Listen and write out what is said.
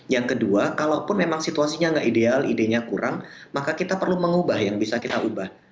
yang kedua kalaupun memang situasinya nggak ideal idenya kurang maka kita perlu mengubah yang bisa kita ubah